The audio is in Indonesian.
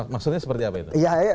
maksudnya seperti apa itu